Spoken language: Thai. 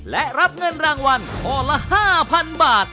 และรับเงินรางวัลข้อละ๕๐๐๐บาท